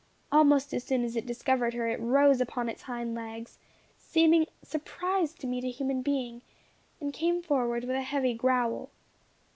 Almost as soon as it discovered her, it rose upon its hind legs, seeming surprised to meet a human being, and came forward with a heavy growl.